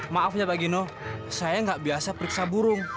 maaf ya pak gino saya nggak biasa periksa burung